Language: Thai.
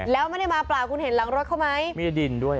แล้วไม่ได้มาเปล่าคุณเห็นหลังรถเขาไหมมีดินด้วย